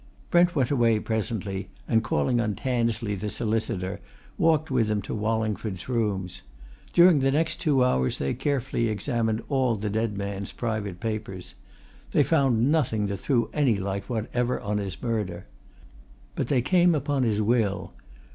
Brent went away presently, and calling on Tansley, the solicitor, walked with him to Wallingford's rooms. During the next two hours they carefully examined all the dead man's private papers. They found nothing that threw any light whatever on his murder. But they came upon his will.